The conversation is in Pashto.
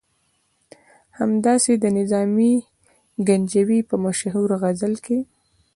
همداسې د نظامي ګنجوي په مشهور غزل کې.